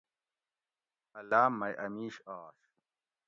اۤ لاۤم مئ اۤ میش آش